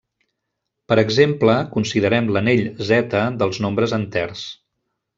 Per exemple, considerem l'anell ℤ dels nombres enters.